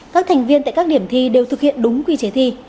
các thành viên tại các điểm thi đều thực hiện đúng quy chế thi